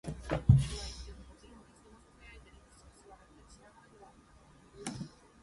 It was built on the Little Saskatchewan River near the town.